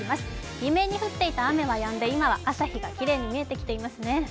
未明に降っていた雨はやんで今は朝日がきれい見えていますね。